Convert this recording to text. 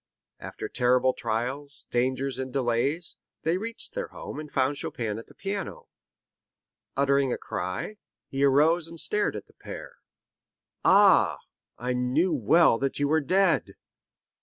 After terrible trials, dangers and delays, they reached their home and found Chopin at the piano. Uttering a cry, he arose and stared at the pair. "Ah! I knew well that you were dead."